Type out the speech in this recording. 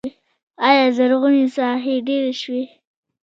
آیا زرغونې ساحې ډیرې شوي؟